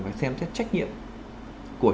phải xem xét trách nhiệm của